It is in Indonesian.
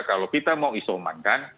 kalau kita mau isomankan